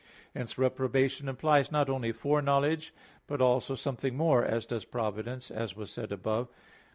Hence reprobation implies not only foreknowledge, but also something more, as does providence, as was said above (Q.